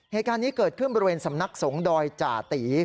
เหตุการณ์นี้เกิดขึ้นบริเวณสำนักสงฆ์ดอยจ่าตี